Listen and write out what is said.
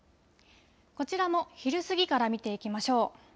こちらも昼過ぎから見ていきましょう。